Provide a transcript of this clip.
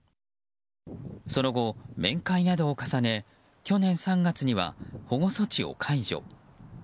その後、面会などを重ね去年３月には保護措置を解除。